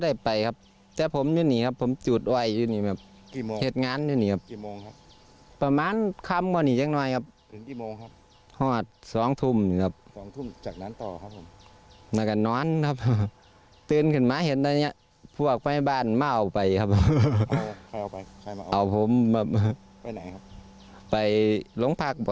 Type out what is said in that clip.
เอาใครเอาไปใครมาเอาไปไปไหนครับไปโรงพักษณ์แบบเอาไปทำอะไรครับ